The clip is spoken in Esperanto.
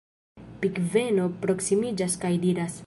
Pingveno proksimiĝas kaj diras: